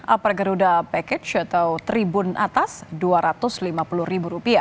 upper garuda package atau tribun atas rp dua ratus lima puluh